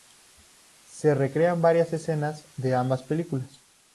Se recrean varias escenas de ambas películas.